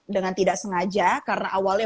dengan tidak sengaja karena awalnya